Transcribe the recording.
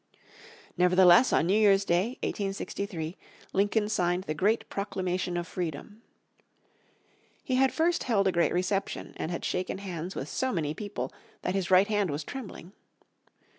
Nevertheless on New Year's Day, 1863, Lincoln signed the great Proclamation of Freedom. He had first held a great reception, and had shaken hands with so many people that his right hand was trembling.